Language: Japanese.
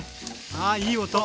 あいい音。